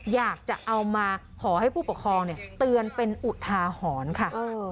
อยากจะเอามาขอให้ผู้ปกครองเตือนเป็นอุทาหรณ์ค่ะ